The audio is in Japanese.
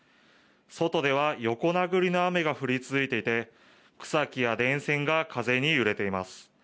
外では横殴りの雨が降り続いていて草木や電線が風に揺れています。